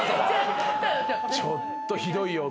ちょっとひどいよ。